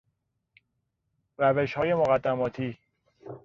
روشهای مقدماتی